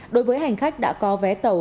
đối với hành khách đã có vé tàu